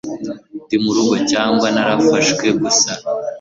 ndi murugo cyangwa narafashwe gusa